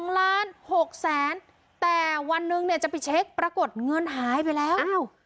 ๒ล้าน๖แสนแต่วันนึงจะไปเช็คปรากฏเงินหายไปแล้ว